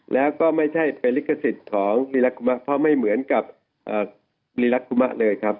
แล้วก็ไม่ใช่เป็นลิขสิทธิ์ของลีลักกุมะเพราะไม่เหมือนกับลีลักกุมะเลยครับ